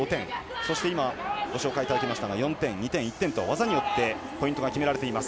そして今ご紹介いただきましたが４点、２点、１点と技によってポイントが決められています。